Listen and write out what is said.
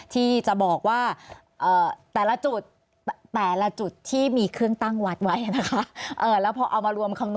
ที่จะบอกว่าแต่ละจุดแต่ละจุดที่มีเครื่องตั้งวัดไว้นะคะ